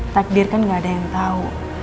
takdir kan gak ada yang tahu